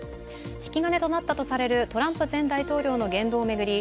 引き金となったとされるトランプ前大統領の言動を巡り